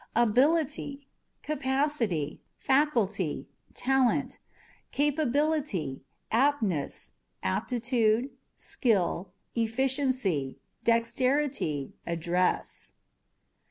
Abilityâ€" capacity, faculty, talent, capability, aptness, apti tude, skill, efficiency, dexterity, address.